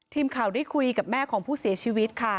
ทีมข่าวได้คุยกับแม่ของผู้เสียชีวิตค่ะ